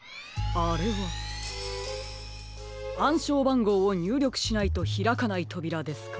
あんしょうばんごうをにゅうりょくしないとひらかないとびらですか？